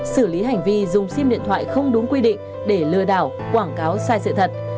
xử lý hành vi dùng sim điện thoại không đúng quy định để lừa đảo quảng cáo sai sự thật